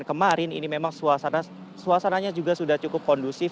kemarin ini memang suasananya juga sudah cukup kondusif